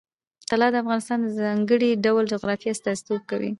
طلا د افغانستان د ځانګړي ډول جغرافیه استازیتوب کوي.